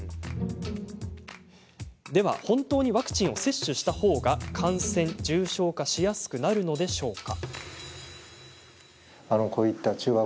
では、本当にワクチンを接種した方が感染・重症化しやすくなるのでしょうか？